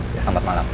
ya selamat malam